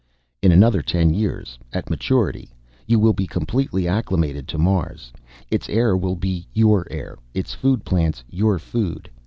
"In another ten years, at maturity, you will be completely acclimated to Mars. Its air will be your air; its food plants your food.